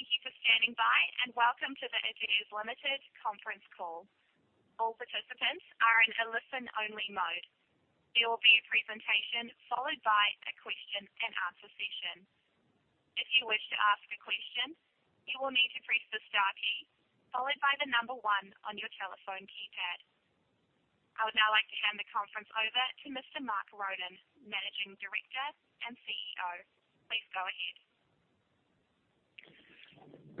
Thank you for standing by, and welcome to the Adairs Limited conference call. All participants are in a listen-only mode. There will be a presentation followed by a question and answer session. If you wish to ask a question, you will need to press the star key followed by the number one on your telephone keypad. I would now like to hand the conference over to Mr. Mark Ronan, Managing Director and CEO. Please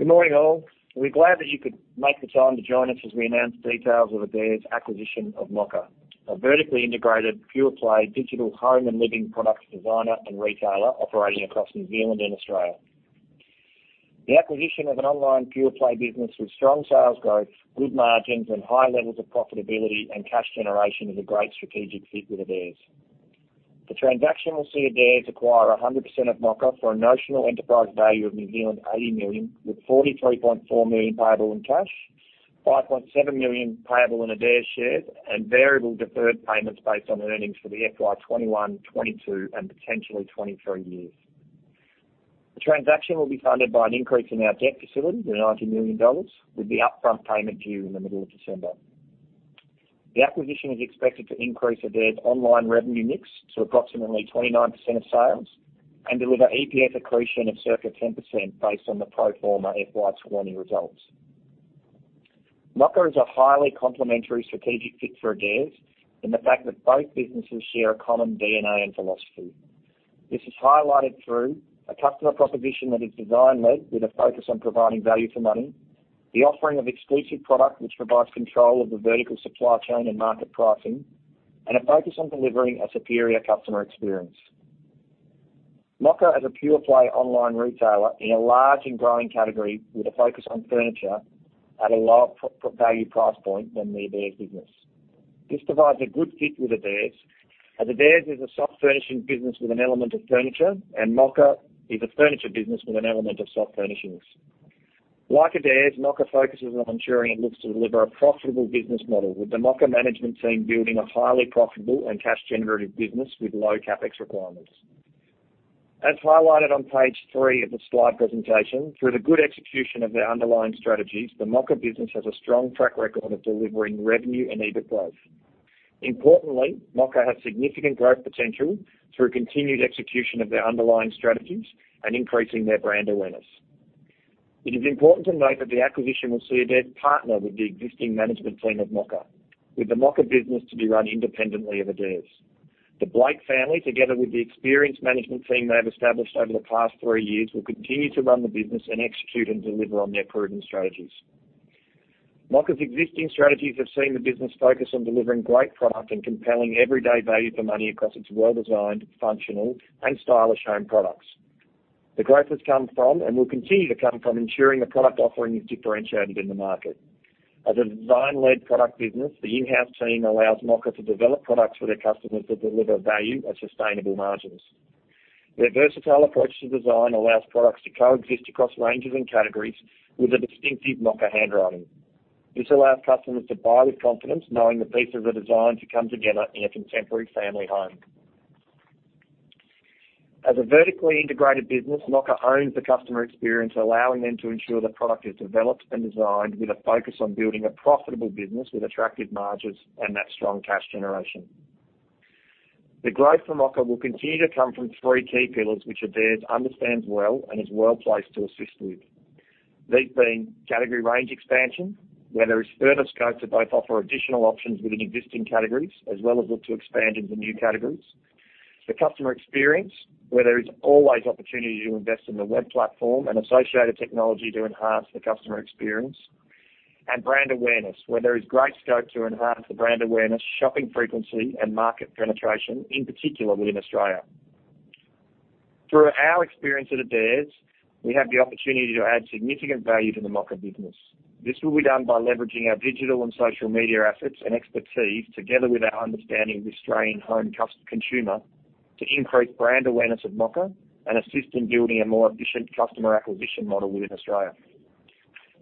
go ahead. Good morning, all. We're glad that you could make the time to join us as we announce details of Adairs' acquisition of Mocka, a vertically integrated pure-play digital home and living product designer and retailer operating across New Zealand and Australia. The acquisition of an online pure-play business with strong sales growth, good margins, and high levels of profitability and cash generation is a great strategic fit with Adairs. The transaction will see Adairs acquire 100% of Mocka for a notional enterprise value of 80 million, with 43.4 million payable in cash, 5.7 million payable in Adairs shares, and variable deferred payments based on earnings for the FY21, FY22, and potentially FY23 years. The transaction will be funded by an increase in our debt facility to 90 million dollars, with the upfront payment due in the middle of December. The acquisition is expected to increase Adairs' online revenue mix to approximately 29% of sales and deliver EPS accretion of circa 10% based on the pro forma FY20 results. Mocka is a highly complementary strategic fit for Adairs in the fact that both businesses share a common DNA and philosophy. This is highlighted through a customer proposition that is design-led with a focus on providing value for money, the offering of exclusive product which provides control of the vertical supply chain and market pricing, and a focus on delivering a superior customer experience. Mocka is a pure-play online retailer in a large and growing category with a focus on furniture at a lower value price point than the Adairs business. This provides a good fit with Adairs, as Adairs is a soft furnishing business with an element of furniture, and Mocka is a furniture business with an element of soft furnishings. Like Adairs, Mocka focuses on ensuring it looks to deliver a profitable business model with the Mocka management team building a highly profitable and cash-generative business with low CapEx requirements. As highlighted on page three of the slide presentation, through the good execution of their underlying strategies, the Mocka business has a strong track record of delivering revenue and EBIT growth. Importantly, Mocka has significant growth potential through continued execution of their underlying strategies and increasing their brand awareness. It is important to note that the acquisition will see Adairs partner with the existing management team of Mocka, with the Mocka business to be run independently of Adairs. The Blake family, together with the experienced management team they have established over the past three years, will continue to run the business and execute and deliver on their proven strategies. Mocka's existing strategies have seen the business focus on delivering great product and compelling everyday value for money across its well-designed, functional, and stylish home products. The growth has come from, and will continue to come from, ensuring the product offering is differentiated in the market. As a design-led product business, the in-house team allows Mocka to develop products for their customers that deliver value at sustainable margins. Their versatile approach to design allows products to coexist across ranges and categories with a distinctive Mocka handwriting. This allows customers to buy with confidence, knowing the pieces were designed to come together in a contemporary family home. As a vertically integrated business, Mocka owns the customer experience, allowing them to ensure the product is developed and designed with a focus on building a profitable business with attractive margins and that strong cash generation. The growth for Mocka will continue to come from three key pillars, which Adairs understands well and is well-placed to assist with. These being category range expansion, where there is further scope to both offer additional options within existing categories, as well as look to expand into new categories. The customer experience, where there is always opportunity to invest in the web platform and associated technology to enhance the customer experience. Brand awareness, where there is great scope to enhance the brand awareness, shopping frequency, and market penetration, in particular within Australia. Through our experience at Adairs, we have the opportunity to add significant value to the Mocka business. This will be done by leveraging our digital and social media assets and expertise, together with our understanding of the Australian home consumer, to increase brand awareness of Mocka and assist in building a more efficient customer acquisition model within Australia.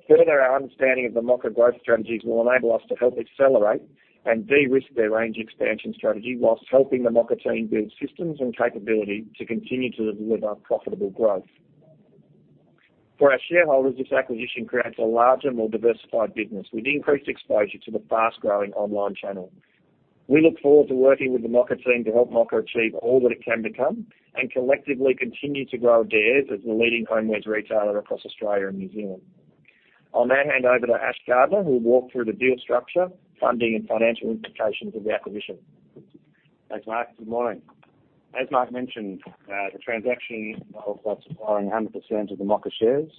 Further, our understanding of the Mocka growth strategies will enable us to help accelerate and de-risk their range expansion strategy whilst helping the Mocka team build systems and capability to continue to deliver profitable growth. For our shareholders, this acquisition creates a larger, more diversified business with increased exposure to the fast-growing online channel. We look forward to working with the Mocka team to help Mocka achieve all that it can become and collectively continue to grow Adairs as the leading homewares retailer across Australia and New Zealand. I'll now hand over to Ash Gardner, who will walk through the deal structure, funding, and financial implications of the acquisition. Thanks, Mark. Good morning. As Mark mentioned, the transaction involves us acquiring 100% of the Mocka shares,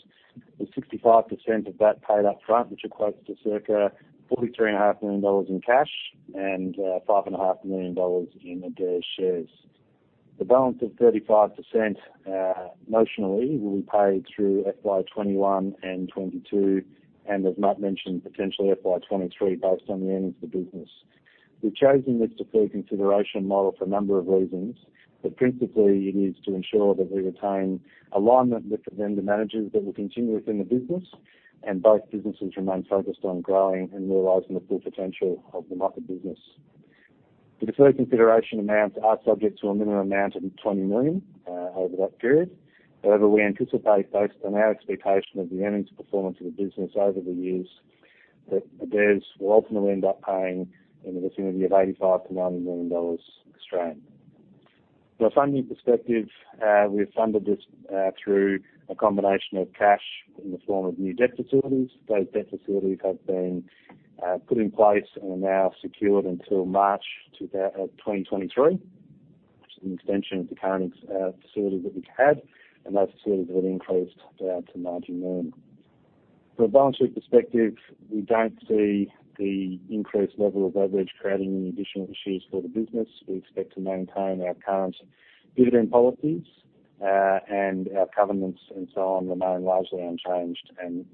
with 65% of that paid up front, which equates to circa 43.5 million dollars in cash and 5.5 million dollars in Adairs shares. The balance of 35% notionally will be paid through FY 2021 and FY 2022, and as Mark mentioned, potentially FY 2023 based on the earnings of the business. We've chosen this deferred consideration model for a number of reasons, but principally it is to ensure that we retain alignment with the vendor managers that will continue within the business and both businesses remain focused on growing and realizing the full potential of the Mocka business. The deferred consideration amounts are subject to a minimum amount of 20 million over that period. However, we anticipate, based on our expectation of the earnings performance of the business over the years, that Adairs will ultimately end up paying in the vicinity of 85 million-90 million dollars. From a funding perspective, we've funded this through a combination of cash in the form of new debt facilities. Those debt facilities have been put in place and are now secured until March 2023, which is an extension of the current facility that we had, and that facility will increase to 90 million. From a balance sheet perspective, we don't see the increased level of leverage creating any additional issues for the business. We expect to maintain our current dividend policies and our covenants and so on remain largely unchanged and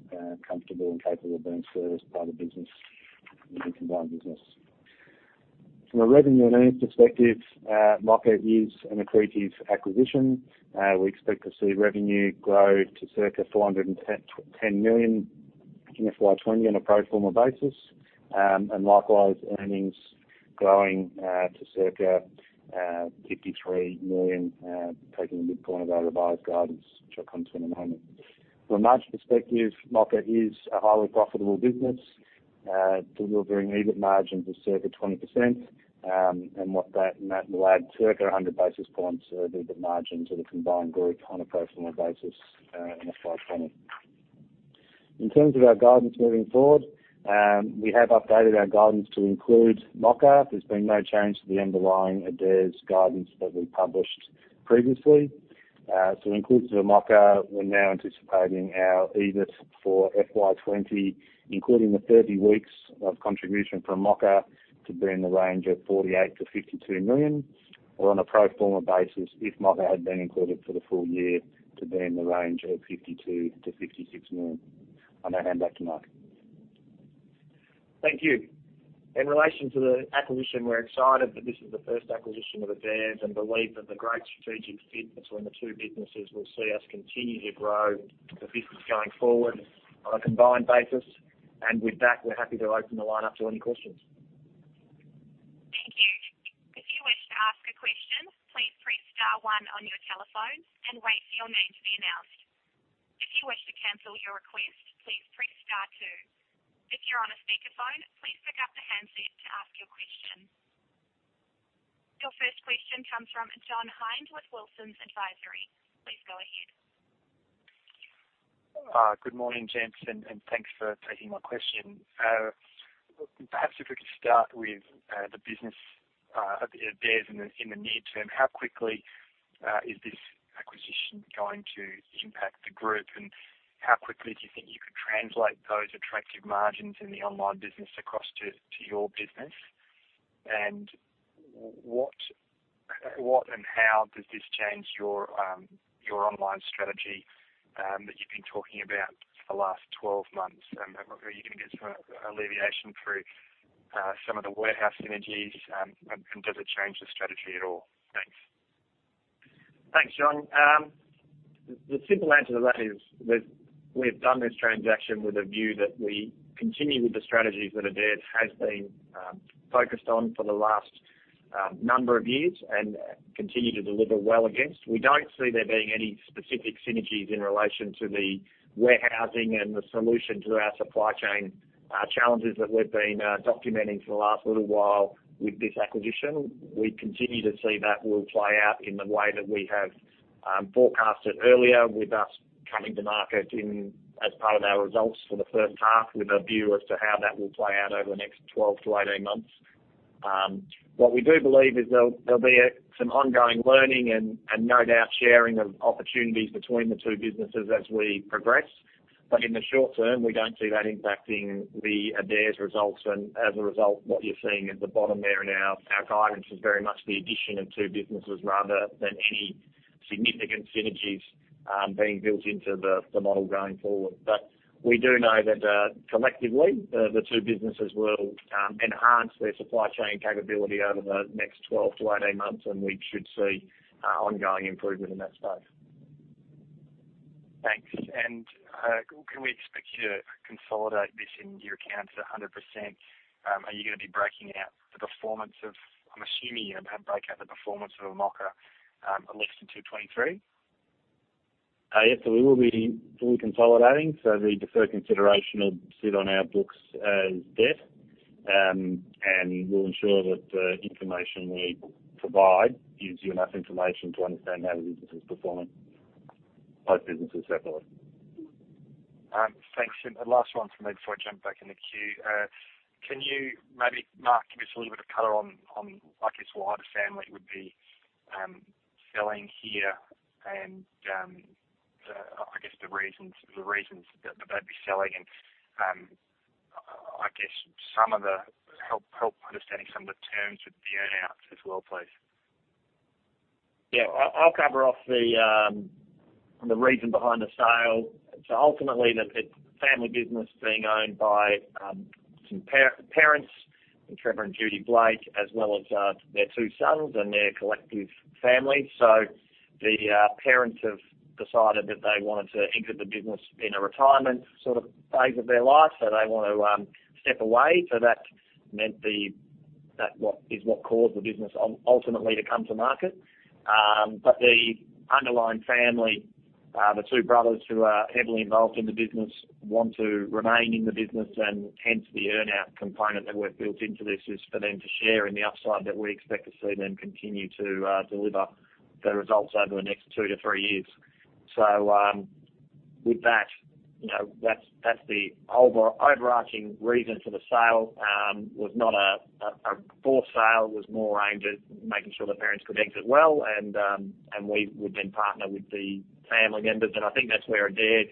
comfortable and capable of being serviced by the business, the combined business. From a revenue and earnings perspective, Mocka is an accretive acquisition. We expect to see revenue grow to circa 410 million in FY20 on a pro forma basis, and likewise, earnings growing to circa 53 million, taking the midpoint of our revised guidance, which I'll come to in a moment. From a margin perspective, Mocka is a highly profitable business, delivering EBIT margins of circa 20%. That will add circa 100 basis points to the EBIT margins of the combined group on a pro forma basis in FY20. In terms of our guidance moving forward, we have updated our guidance to include Mocka. There's been no change to the underlying Adairs guidance that we published previously. Inclusive of Mocka, we're now anticipating our EBIT for FY20, including the 30 weeks of contribution from Mocka, to be in the range of 48 million-52 million, or on a pro forma basis, if Mocka had been included for the full year, to be in the range of 52 million-56 million. On that, I hand back to Mark. Thank you. In relation to the acquisition, we're excited that this is the first acquisition of Adairs and believe that the great strategic fit between the two businesses will see us continue to grow the business going forward on a combined basis. With that, we're happy to open the line up to any questions. Thank you. If you wish to ask a question, please press star one on your telephone and wait for your name to be announced. If you wish to cancel your request, please press star two. If you're on a speakerphone, please pick up the handset to ask your question. Your first question comes from John Hynd with Wilsons Advisory. Please go ahead. Good morning, gents, and thanks for taking my question. Perhaps if we could start with the business of Adairs in the near term. How quickly is this acquisition going to impact the group, and how quickly do you think you could translate those attractive margins in the online business across to your business? What and how does this change your online strategy that you've been talking about for the last 12 months? Whether you can get some alleviation through some of the warehouse synergies, and does it change the strategy at all? Thanks. Thanks, John. The simple answer to that is we've done this transaction with a view that we continue with the strategies that Adairs has been focused on for the last number of years and continue to deliver well against. We don't see there being any specific synergies in relation to the warehousing and the solution to our supply chain challenges that we've been documenting for the last little while with this acquisition. We continue to see that will play out in the way that we have forecasted earlier with us coming to market as part of our results for the first half with a view as to how that will play out over the next 12-18 months. What we do believe is there'll be some ongoing learning and no doubt sharing of opportunities between the two businesses as we progress. In the short term, we don't see that impacting the Adairs results. As a result, what you're seeing at the bottom there in our guidance is very much the addition of two businesses rather than any significant synergies being built into the model going forward. We do know that collectively, the two businesses will enhance their supply chain capability over the next 12 to 18 months, and we should see ongoing improvement in that space. Thanks. Can we expect you to consolidate this in your accounts at 100%? I'm assuming you're going to break out the performance of Mocka at least in 2023? Yes. We will be fully consolidating. The deferred consideration will sit on our books as debt, and we'll ensure that the information we provide gives you enough information to understand how the business is performing, both businesses separately. Thanks. The last one from me before I jump back in the queue. Can you maybe, Mark, give us a little bit of color on, I guess, why the family would be selling here and the reasons that they'd be selling, and I guess help understanding some of the terms of the earn-outs as well, please. Yeah. I'll cover off the reason behind the sale. Ultimately, it's a family business being owned by some parents, Trevor and Judy Blake, as well as their two sons and their collective family. The parents have decided that they wanted to exit the business in a retirement phase of their life. They want to step away. That is what caused the business ultimately to come to market. The underlying family, the two brothers who are heavily involved in the business want to remain in the business and hence the earn-out component that we've built into this is for them to share in the upside that we expect to see them continue to deliver the results over the next two to three years. With that's the overarching reason for the sale. Was not a full sale, was more aimed at making sure the parents could exit well and we would then partner with the family members. I think that's where Adairs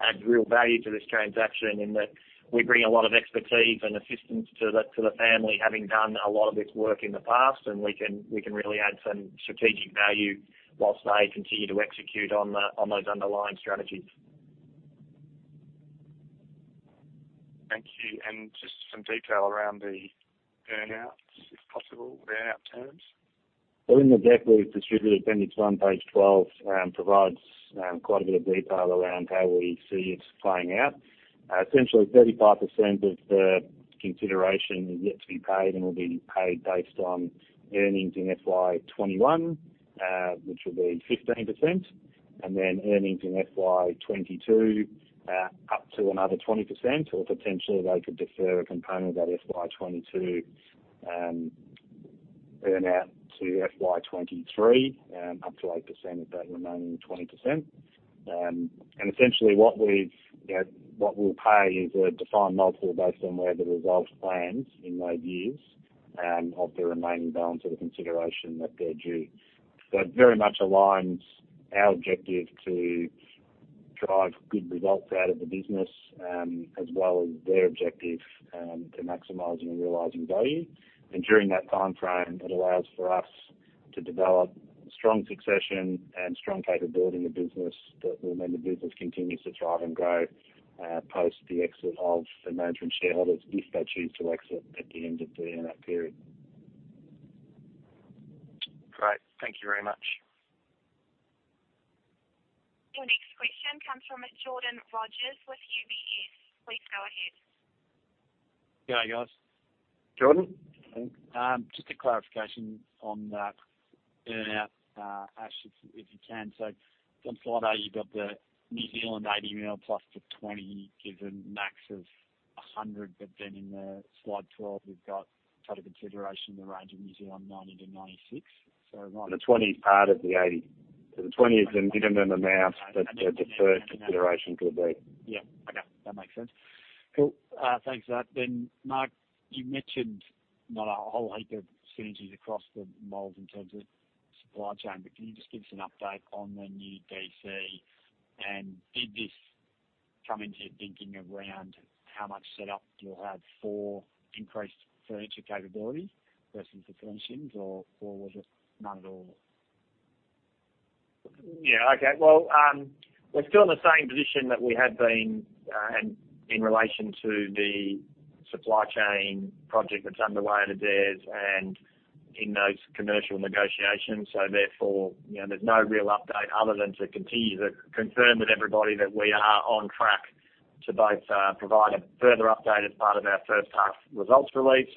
adds real value to this transaction, in that we bring a lot of expertise and assistance to the family, having done a lot of this work in the past, and we can really add some strategic value whilst they continue to execute on those underlying strategies. Thank you. Just some detail around the earn-outs, if possible, the earn-out terms. In the deck we've distributed, appendix one, page 12 provides quite a bit of detail around how we see this playing out. 35% of the consideration is yet to be paid and will be paid based on earnings in FY 2021, which will be 15%, and then earnings in FY 2022 up to another 20% or potentially they could defer a component of that FY 2022 earn-out to FY 2023 up to 8% of that remaining 20%. Essentially what we'll pay is a defined multiple based on where the result lands in those years of the remaining balance of the consideration that they're due. It very much aligns our objective to drive good results out of the business, as well as their objective to maximizing and realizing value. During that timeframe, it allows for us to develop strong succession and strong capability in the business that will let the business continue to thrive and grow post the exit of the management shareholders, if they choose to exit at the end of the earn-out period. Great. Thank you very much. Your next question comes from Jordan Rogers with UBS. Please go ahead. G'day, guys. Jordan. Just a clarification on that earn-out, Ash, if you can? On slide eight, you've got the 80 million plus the 20, gives a max of 100. In the slide 12, we've got total consideration in the range of 90-96. The 20 is part of the 80. The 20 is the minimum amount that the deferred consideration could be. Yeah. Okay. That makes sense. Cool. Thanks for that. Mark, you mentioned not a whole heap of synergies across the Mocka in terms of supply chain, can you just give us an update on the new DC? Did this come into your thinking around how much set up you'll have for increased furniture capability versus accessories or just none at all? Yeah, okay. Well, we're still in the same position that we have been in relation to the supply chain project that's underway at Adairs and in those commercial negotiations. There's no real update other than to confirm with everybody that we are on track to both provide a further update as part of our first half results release.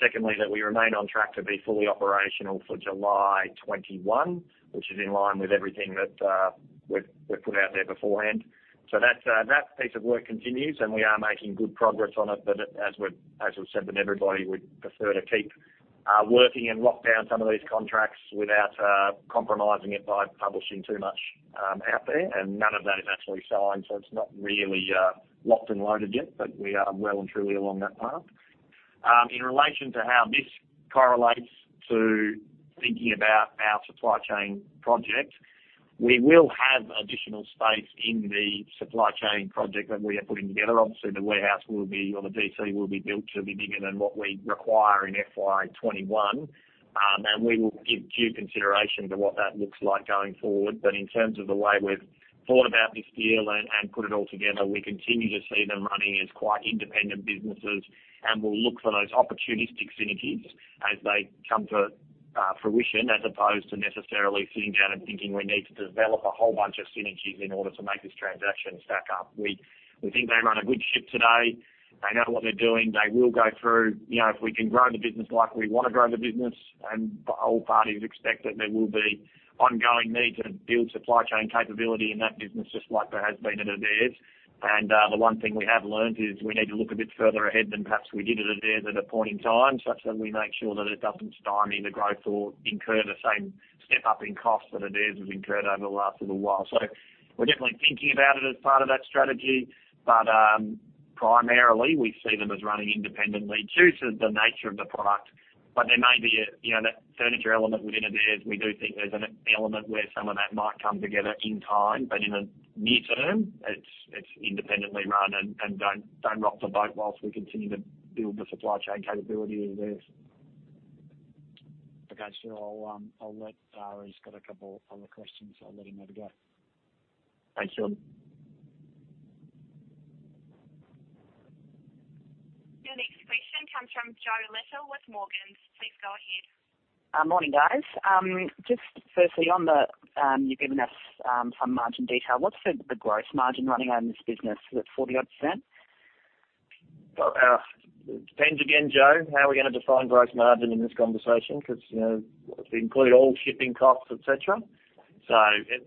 Secondly, that we remain on track to be fully operational for July 2021, which is in line with everything that we've put out there beforehand. That piece of work continues, and we are making good progress on it. As we've said with everybody, we'd prefer to keep working and lock down some of these contracts without compromising it by publishing too much out there. None of that is actually signed, so it's not really locked and loaded yet. We are well and truly along that path. In relation to how this correlates to thinking about our supply chain project, we will have additional space in the supply chain project that we are putting together. Obviously, the warehouse or the DC will be built to be bigger than what we require in FY21. We will give due consideration to what that looks like going forward. In terms of the way we've thought about this deal and put it all together, we continue to see them running as quite independent businesses, and we'll look for those opportunistic synergies as they come to fruition, as opposed to necessarily sitting down and thinking we need to develop a whole bunch of synergies in order to make this transaction stack up. We think they run a good ship today. They know what they're doing. If we can grow the business like we want to grow the business, and all parties expect that there will be ongoing need to build supply chain capability in that business, just like there has been at Adairs. The one thing we have learned is we need to look a bit further ahead than perhaps we did at Adairs at a point in time, such that we make sure that it doesn't stymie the growth or incur the same step-up in costs that Adairs has incurred over the last little while. We're definitely thinking about it as part of that strategy. Primarily, we see them as running independently too, so the nature of the product. There may be that furniture element within Adairs, we do think there's an element where some of that might come together in time. In the near term, it's independently run and don't rock the boat while we continue to build the supply chain capability of Adairs. Okay. Sure. Ari's got a couple other questions. I'll let him have a go. Thanks, Jordan. From Jo Letter with Morgans. Please go ahead. Morning, guys. Just firstly, you've given us some margin detail. What's the gross margin running on this business? Is it 40-odd%? It depends again, Jo, how we're going to define gross margin in this conversation because if we include all shipping costs, et cetera.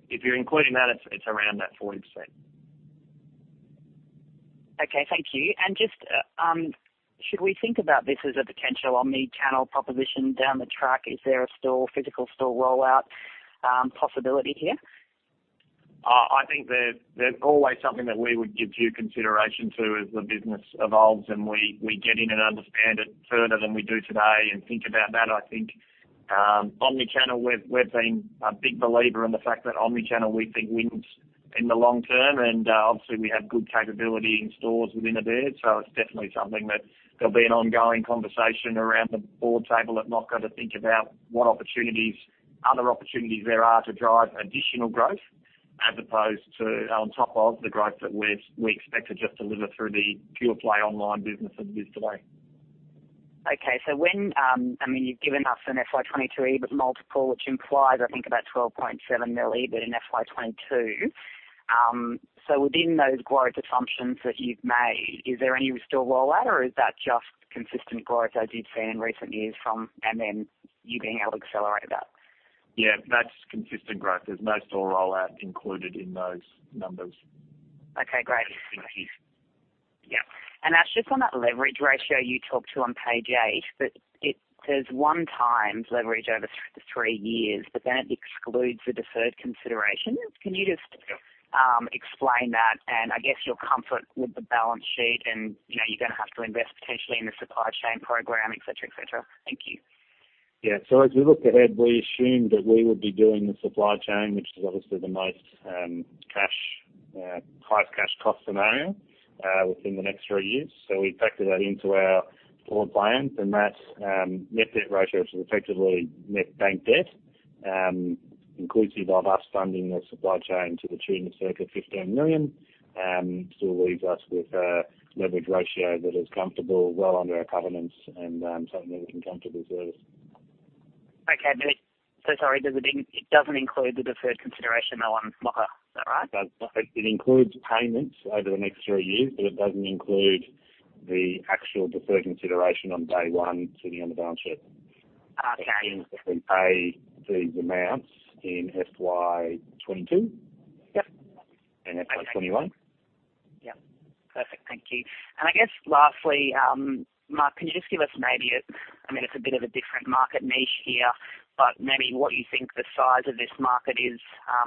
If you're including that, it's around that 40%. Okay, thank you. Should we think about this as a potential omni-channel proposition down the track? Is there a physical store rollout possibility here? I think there's always something that we would give due consideration to as the business evolves and we get in and understand it further than we do today and think about that. I think omni-channel, we've been a big believer in the fact that omni-channel, we think, wins in the long term. Obviously, we have good capability in stores within Adairs, so it's definitely something that there'll be an ongoing conversation around the board table at Mocka to think about what other opportunities there are to drive additional growth as opposed to on top of the growth that we expect to just deliver through the pure-play online business as is today. Okay. You've given us an FY22 EBIT multiple, which implies, I think, about 12.7 million EBIT in FY22. Within those growth assumptions that you've made, is there any store rollout or is that just consistent growth as you've seen in recent years from, and then you being able to accelerate that? Yeah, that's consistent growth. There's no store rollout included in those numbers. Okay, great. Thank you. Yep. Ash, just on that leverage ratio you talked to on page eight, it says one times leverage over three years, then it excludes the deferred consideration. Can you just explain that I guess your comfort with the balance sheet and you're going to have to invest potentially in the supply chain program, et cetera. Thank you. Yeah. As we look ahead, we assume that we would be doing the supply chain, which is obviously the most highest cash cost scenario within the next three years. We factored that into our forward plans, and that net debt ratio is effectively net bank debt, inclusive of us funding the supply chain to the tune of circa 15 million. Still leaves us with a leverage ratio that is comfortable, well under our covenants, and something that we can comfortably service. Okay. Sorry, it doesn't include the deferred consideration, though, on Mocka, is that right? It includes payments over the next three years, but it doesn't include the actual deferred consideration on day one sitting on the balance sheet. Okay. It assumes that we pay these amounts in FY 2022. Yep. FY 2021. Yep. Perfect. Thank you. I guess lastly, Mark, can you just give us maybe, it's a bit of a different market niche here, but maybe what you think the size of this market is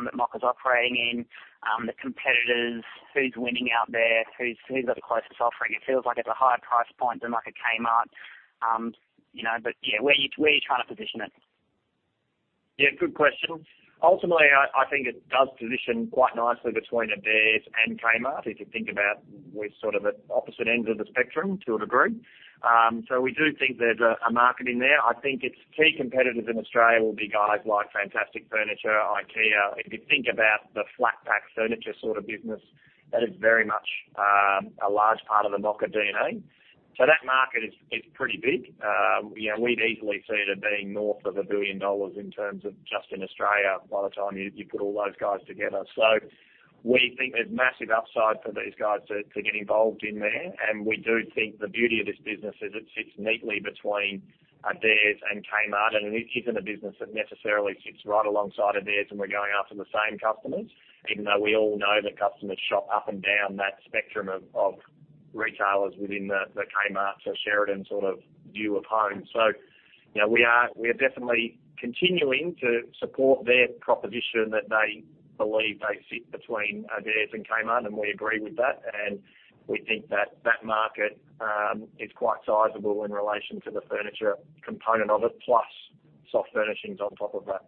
that Mocka's operating in, the competitors, who's winning out there, who's got the closest offering? It feels like it's a higher price point than a Kmart. Yeah, where are you trying to position it? Yeah, good question. Ultimately, I think it does position quite nicely between Adairs and Kmart. If you think about, we're at opposite ends of the spectrum to a degree. We do think there's a market in there. I think its key competitors in Australia will be guys like Fantastic Furniture, IKEA. If you think about the flat pack furniture sort of business, that is very much a large part of the Mocka DNA. That market is pretty big. We'd easily see it as being north of 1 billion dollars in terms of just in Australia by the time you put all those guys together. We think there's massive upside for these guys to get involved in there, and we do think the beauty of this business is it sits neatly between Adairs and Kmart, and it isn't a business that necessarily sits right alongside Adairs and we're going after the same customers, even though we all know that customers shop up and down that spectrum of retailers within the Kmart or Sheridan sort of view of home. We are definitely continuing to support their proposition that they believe they sit between Adairs and Kmart, and we agree with that. We think that that market is quite sizable in relation to the furniture component of it, plus soft furnishings on top of that.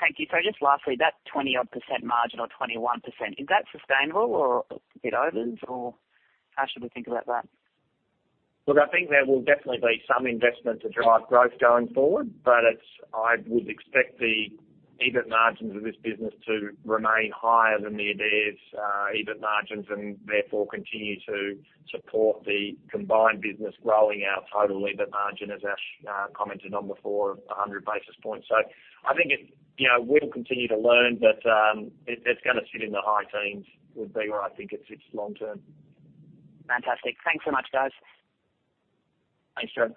Thank you. Just lastly, that 20 odd % margin or 21%, is that sustainable or a bit over, or how should we think about that? Look, I think there will definitely be some investment to drive growth going forward, but I would expect the EBIT margins of this business to remain higher than the Adairs EBIT margins and therefore continue to support the combined business growing our total EBIT margin, as Ash commented on before, of 100 basis points. I think we'll continue to learn, but it's going to sit in the high teens would be where I think it sits long term. Fantastic. Thanks so much, guys. Thanks, Jo.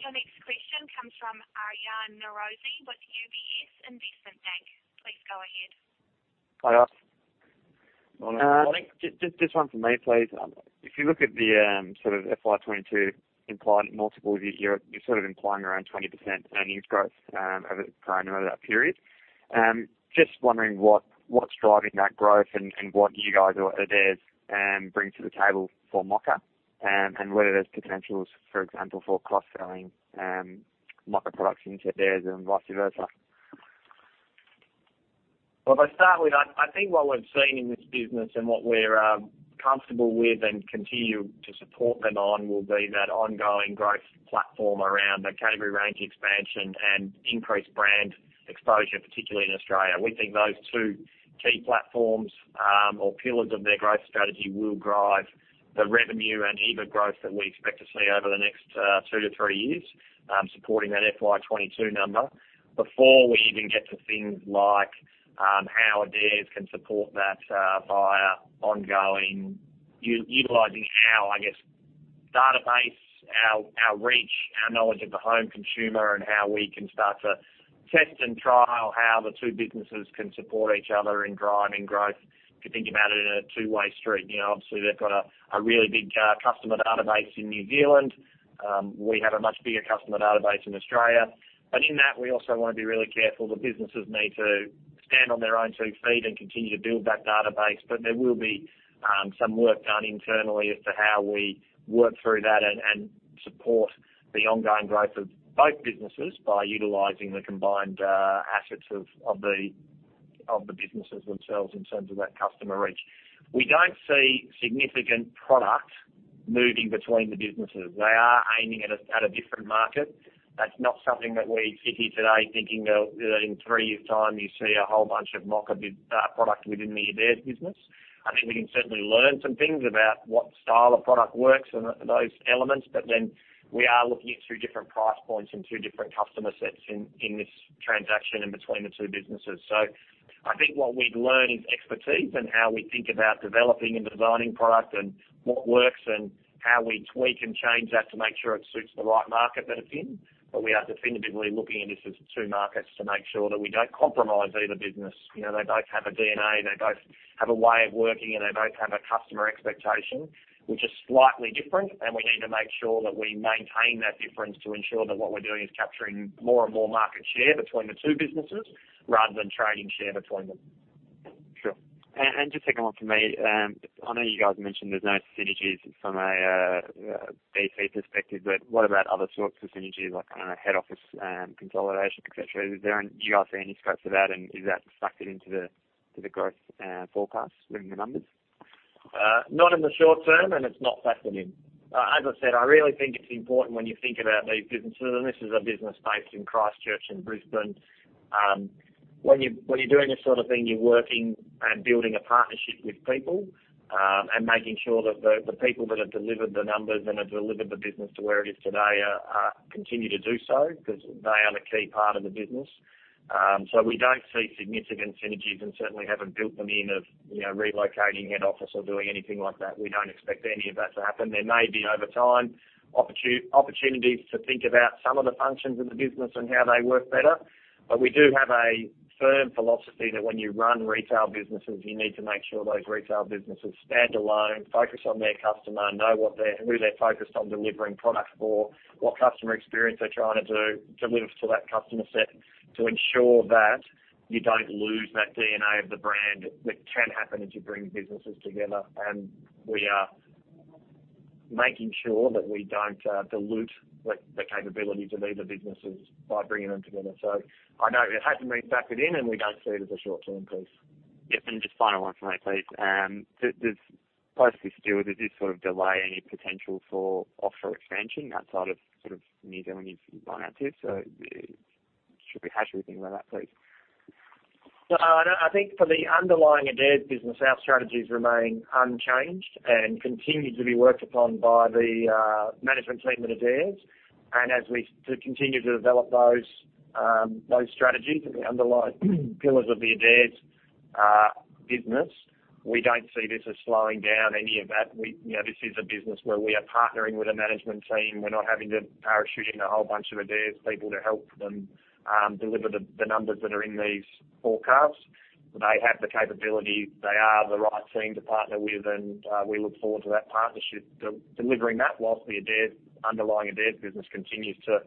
Your next question comes from Aryan Niroosi with UBS Investment Bank. Please go ahead. Hiya. Morning. Just one from me, please. If you look at the FY 2022 implied multiple, you're implying around 20% earnings growth over that period. Just wondering what's driving that growth and what you guys or Adairs bring to the table for Mocka, and whether there's potentials, for example, for cross-selling Mocka products into Adairs and vice versa? Well, if I start with, I think what we've seen in this business and what we're comfortable with and continue to support them on, will be that ongoing growth platform around the category range expansion and increased brand exposure, particularly in Australia. We think those two key platforms, or pillars of their growth strategy, will drive the revenue and EBIT growth that we expect to see over the next two to three years, supporting that FY 2022 number. Before we even get to things like how Adairs can support that via ongoing utilizing our database, our reach, our knowledge of the home consumer, and how we can start to test and trial how the two businesses can support each other in driving growth. If you think about it in a two-way street, obviously they've got a really big customer database in New Zealand. We have a much bigger customer database in Australia. In that, we also want to be really careful. The businesses need to stand on their own two feet and continue to build that database. There will be some work done internally as to how we work through that and support the ongoing growth of both businesses by utilizing the combined assets of the businesses themselves in terms of that customer reach. We don't see significant product moving between the businesses. They are aiming at a different market. That's not something that we sit here today thinking that in three years' time you see a whole bunch of Mocka product within the Adairs business. I think we can certainly learn some things about what style of product works and those elements, but then we are looking at two different price points and two different customer sets in this transaction in between the two businesses. I think what we'd learn is expertise and how we think about developing and designing product and what works and how we tweak and change that to make sure it suits the right market that it's in. We are definitively looking at this as two markets to make sure that we don't compromise either business. They both have a DNA, they both have a way of working, and they both have a customer expectation, which is slightly different. We need to make sure that we maintain that difference to ensure that what we're doing is capturing more and more market share between the two businesses rather than trading share between them. Sure. Just a second one from me. I know you guys mentioned there's no synergies from a BC perspective, but what about other sorts of synergies like head office consolidation, et cetera? Do you guys see any scopes for that and is that factored into the growth forecast within the numbers? Not in the short term, it's not factored in. As I said, I really think it's important when you think about these businesses, this is a business based in Christchurch and Brisbane. When you're doing this sort of thing, you're working and building a partnership with people, making sure that the people that have delivered the numbers and have delivered the business to where it is today, continue to do so because they are the key part of the business. We don't see significant synergies and certainly haven't built them in of relocating head office or doing anything like that. We don't expect any of that to happen. There may be over time, opportunities to think about some of the functions of the business and how they work better. We do have a firm philosophy that when you run retail businesses, you need to make sure those retail businesses stand alone, focus on their customer, know who they're focused on delivering product for, what customer experience they're trying to deliver to that customer set to ensure that you don't lose that DNA of the brand. That can happen as you bring businesses together, and we are making sure that we don't dilute the capabilities of either businesses by bringing them together. I know it hasn't been factored in, and we don't see it as a short-term piece. Yeah. Just final one from me, please. Does this sort of delay any potential for offshore expansion outside of New Zealand if you buy Active? Should we hash anything about that, please? I think for the underlying Adairs business, our strategies remain unchanged and continue to be worked upon by the management team at Adairs. As we continue to develop those strategies and the underlying pillars of the Adairs business, we don't see this as slowing down any of that. This is a business where we are partnering with a management team. We're not having to parachute in a whole bunch of Adairs people to help them deliver the numbers that are in these forecasts. They have the capability. They are the right team to partner with, and we look forward to that partnership delivering that whilst the underlying Adairs business continues to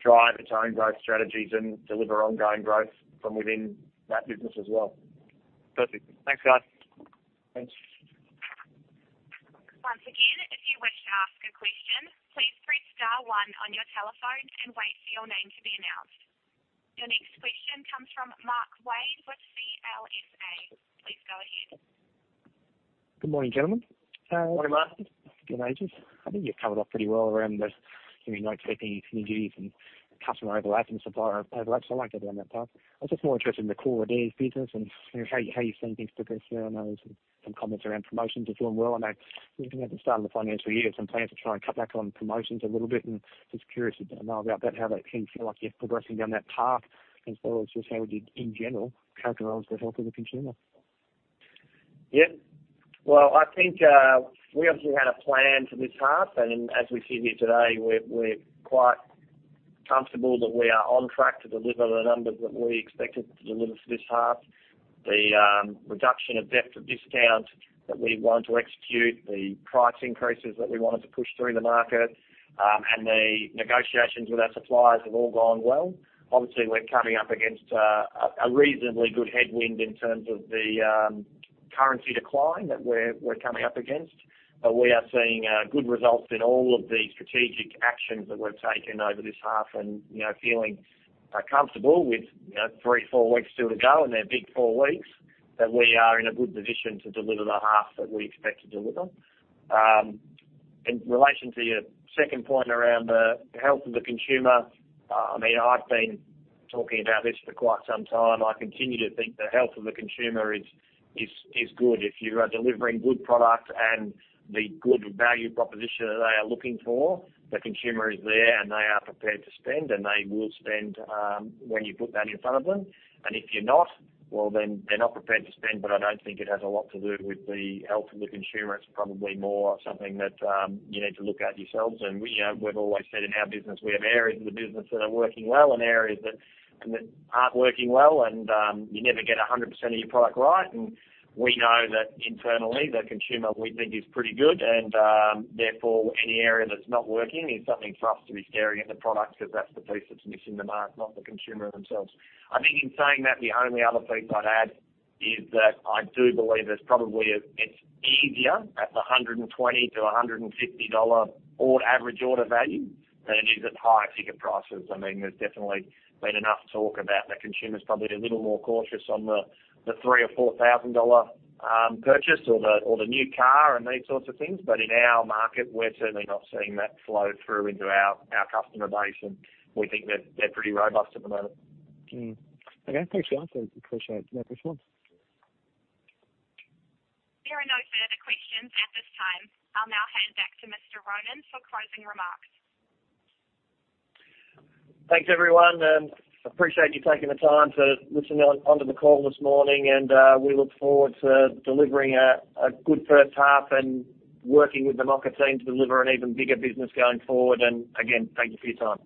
drive its own growth strategies and deliver ongoing growth from within that business as well. Perfect. Thanks, guys. Thanks. Once again, if you wish to ask a question, please press star one on your telephone and wait for your name to be announced. Your next question comes from Mark Wade with CLSA. Please go ahead. Good morning, gentlemen. Morning, Mark. Good ages]. I think you've covered off pretty well around us. You're not taking any synergies from customer overlap and supplier overlaps. I like to go down that path. I was just more interested in the core Adairs business and how you're seeing things progress there. I know there's some comments around promotions are doing well. I know at the start of the financial year, some plans to try and cut back on promotions a little bit, and just curious if you know about that, how that seems like you're progressing down that path as far as just how we did in general characterize the health of the consumer? Yeah. Well, I think, we obviously had a plan for this half, and as we sit here today, we're quite comfortable that we are on track to deliver the numbers that we expected to deliver for this half. The reduction of depth of discount that we want to execute, the price increases that we wanted to push through the market, and the negotiations with our suppliers have all gone well. Obviously, we're coming up against a reasonably good headwind in terms of the currency decline that we're coming up against. We are seeing good results in all of the strategic actions that we've taken over this half, and feeling comfortable with three, four weeks still to go, and they're big four weeks, that we are in a good position to deliver the half that we expect to deliver. In relation to your second point around the health of the consumer, I've been talking about this for quite some time. I continue to think the health of the consumer is good. If you are delivering good product and the good value proposition that they are looking for, the consumer is there and they are prepared to spend, and they will spend when you put that in front of them. If you're not, well, then they're not prepared to spend, but I don't think it has a lot to do with the health of the consumer. It's probably more something that you need to look at yourselves. We've always said in our business, we have areas of the business that are working well and areas that aren't working well, and you never get 100% of your product right. We know that internally, the consumer, we think, is pretty good, and therefore, any area that's not working is something for us to be staring at the product because that's the piece that's missing the mark, not the consumer themselves. I think in saying that, the only other thing I'd add is that I do believe it's easier at the 120 to 150 dollar average order value than it is at higher ticket prices. There's definitely been enough talk about the consumer's probably a little more cautious on the 3,000 or 4,000 dollar purchase, or the new car, and these sorts of things. In our market, we're certainly not seeing that flow through into our customer base, and we think they're pretty robust at the moment. Okay. Thanks, John. Appreciate that response. There are no further questions at this time. I'll now hand back to Mr. Ronan for closing remarks. Thanks, everyone. We appreciate you taking the time to listen onto the call this morning, and we look forward to delivering a good first half and working with the market team to deliver an even bigger business going forward. Again, thank you for your time.